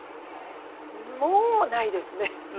もうないですね。